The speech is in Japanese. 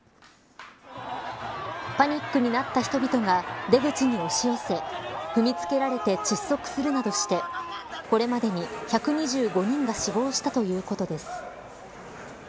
パニックになった人々が出口に押し寄せ踏みつけられて窒息するなどしてこれまでに１２５人が死亡したということです。